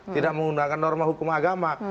tidak menggunakan norma hukum agama